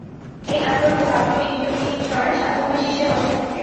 এই আন্তর ও বাহ্য ইন্দ্রিয়নিচয় সাধক বা শিষ্যের বশে থাকিবে।